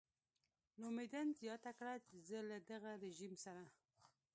لومدین زیاته کړه زه له دغه رژیم سره.